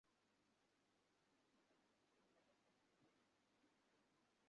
ছাত্র বিক্ষোভের জেরে গত বৃহস্পতিবার দেশের সব শিক্ষাপ্রতিষ্ঠান বন্ধ ঘোষণা করেছিল সরকার।